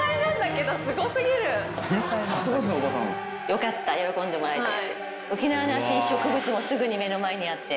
よかった喜んでもらえて。